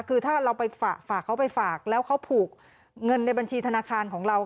คือถ้าเราไปฝากเขาไปฝากแล้วเขาผูกเงินในบัญชีธนาคารของเรา